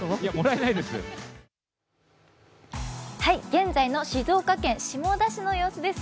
現在の静岡県下田市の様子です。